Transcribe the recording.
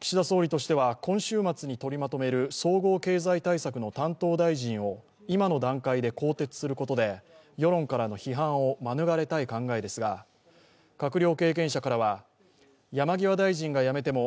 岸田総理としては、今週末に取りまとめる総合経済対策の担当大臣を今の段階で更迭することで世論からの批判を免れたい考えですが閣僚経験者からは、山際大臣が辞めても